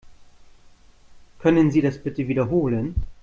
Können Sie das bitte wiederholen?